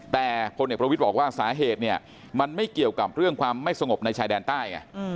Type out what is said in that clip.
แต่พลเอกประวิทย์บอกว่าสาเหตุเนี่ยมันไม่เกี่ยวกับเรื่องความไม่สงบในชายแดนใต้ไง